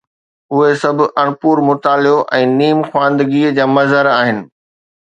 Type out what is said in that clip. اهي سڀ اڻپورو مطالعو ۽ نيم خواندگيءَ جا مظهر آهن.